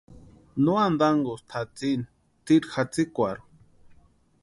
No ántankusti tʼatsïni tsiri jatsikwarhu.